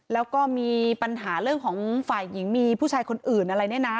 แล้วก็มีปัญหาเรื่องของฝ่ายหญิงมีผู้ชายคนอื่นอะไรเนี่ยนะ